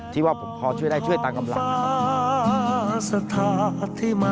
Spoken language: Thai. ที่ว่าผมพอช่วยได้ช่วยตามกำลังนะครับ